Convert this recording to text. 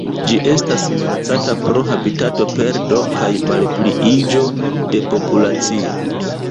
Ĝi estas minacata pro habitatoperdo kaj malpliiĝo de populacio.